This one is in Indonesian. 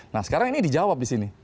nah sekarang ini dijawab di sini